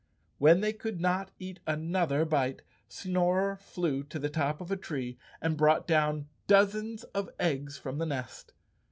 When they could not eat another bite, Snorer flew to the top of a tree and brought down dozens of eggs from the nest.